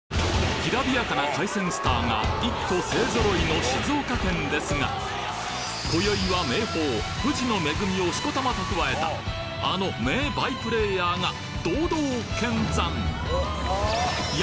きらびやかな海鮮スターが一挙勢揃いの静岡県ですが今宵は名峰富士の恵みをしこたま蓄えたあの名バイプレーヤーが堂々見参！